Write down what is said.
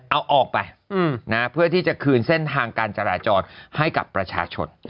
เอาออกไปเพื่อที่จะคืนเส้นทางการจราจรให้กับประชาชน